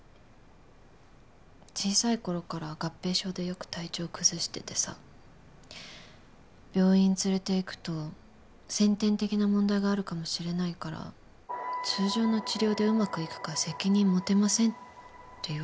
小さい頃から合併症でよく体調崩しててさ病院連れて行くと「先天的な問題があるかもしれないから通常の治療でうまくいくか責任持てません」って言われるの。